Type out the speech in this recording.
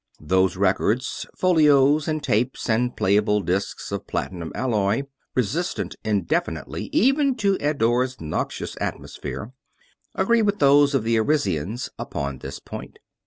Those records folios and tapes and playable discs of platinum alloy, resistant indefinitely even to Eddore's noxious atmosphere agree with those of the Arisians upon this point.